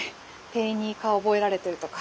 店員に顔覚えられてるとか。